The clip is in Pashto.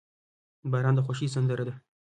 • باران د خوښۍ سندره ده.